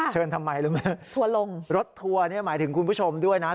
ใช่ทัวร์ลงรถทัวร์หมายถึงคุณผู้ชมด้วยนะ